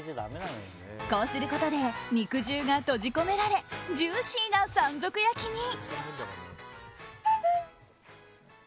こうすることで肉汁が閉じ込められジューシーな山賊焼きに。